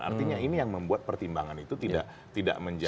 artinya ini yang membuat pertimbangan itu tidak menjadi